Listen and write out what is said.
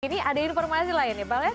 ini ada informasi lain ya pak lens